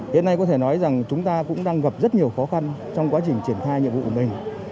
hiện nay có thể nói rằng chúng ta cũng đang gặp rất nhiều khó khăn trong quá trình triển khai nhiệm vụ của mình